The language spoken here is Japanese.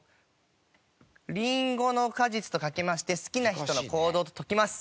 リンゴの果実とかけまして好きな人の行動と解きます。